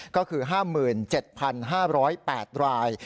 ก็คือ๕๗๕๐๘ราย